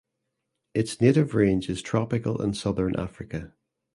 Its native range is Tropical and southern Africa.